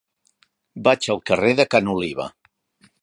Vaig al carrer de Ca n'Oliva.